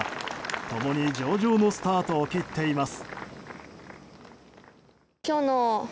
共に上々のスタートを切っています。